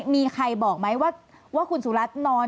มีใครบอกไหมว่าคุณสุรัตน์นอน